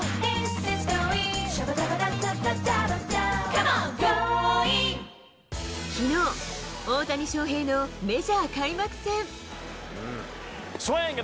この後きのう、大谷翔平のメジャー開幕戦。